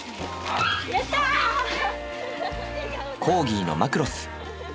コーギーのマクロス。